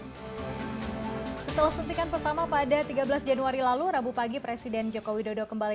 setelah suntikan pertama pada tiga belas januari lalu rabu pagi presiden joko widodo kembali